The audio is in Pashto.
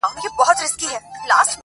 خو احمق سلطان جامې نه وې ليدلي-